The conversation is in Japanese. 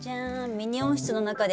ミニ温室の中で。